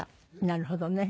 なるほどね。